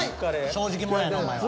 正直もんやなお前は。